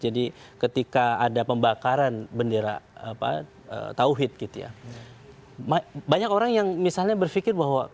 jadi ketika ada pembakaran bendera apa tauhid gitu ya banyak orang yang misalnya berpikir bahwa